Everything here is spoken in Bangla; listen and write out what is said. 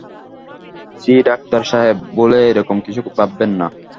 ছি ডাক্তার সাহেব, ভুলেও এ-রকম কিছু ভাববেন না।